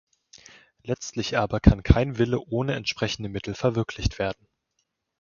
Letztlich aber kann kein Wille ohne entsprechende Mittel verwirklicht werden.